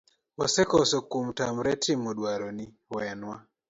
wasekoso kuom tamre timo dwaroni, wenwa.